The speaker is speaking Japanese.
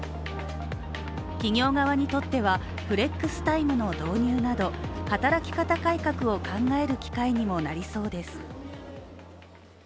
企業側にとってはフレックスタイムの導入など働き方改革を考える機会にもなりそうです。